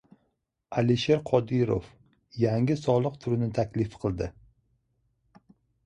Alisher Qodirov yangi soliq turini taklif qildi